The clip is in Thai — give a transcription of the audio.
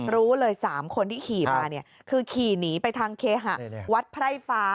รู้เลย๓คนที่ขี่มาเนี่ยคือขี่หนีไปทางเคหะวัดไพร่ฟ้า